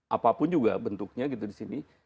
apapun juga bentuknya gitu di sini